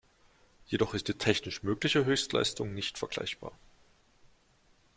Jedoch ist die technisch mögliche Höchstleistung nicht vergleichbar.